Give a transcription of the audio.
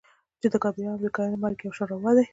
چې د کابليانو او امريکايانو مرګ يو شان روا دى.